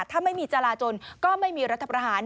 ถ้าไม่มีจราจนก็ไม่มีรัฐประหาร